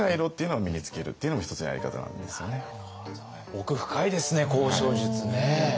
奥深いですね交渉術ね。